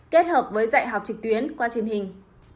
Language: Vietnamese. kết hợp với dạy học trực tuyến qua truyền hình